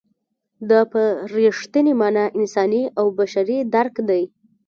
دا په رښتینې مانا انساني او بشري درک دی.